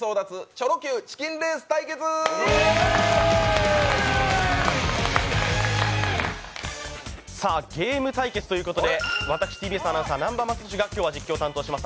チョロＱチキンレース対決ゲーム対決ということで、私、ＴＢＳアナウンサー、南波雅俊が今日は実況担当いたします。